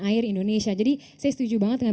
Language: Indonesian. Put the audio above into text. air indonesia jadi saya setuju banget dengan